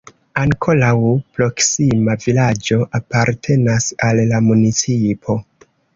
Ankoraŭ proksima vilaĝo apartenas al la municipo.